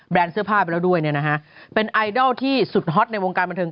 เสื้อผ้าไปแล้วด้วยเนี่ยนะฮะเป็นไอดอลที่สุดฮอตในวงการบันเทิ